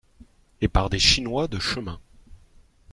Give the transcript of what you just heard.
Et par des chinois de chemins.